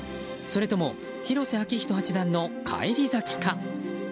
それとも広瀬章人八段の返り咲きか。